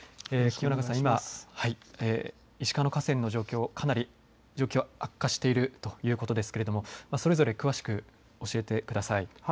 清永さん、今、石川の河川の状況、悪化しているということですけれどもそれぞれ詳しく教えてください。